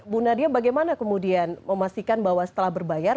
bu nadia bagaimana kemudian memastikan bahwa setelah berbayar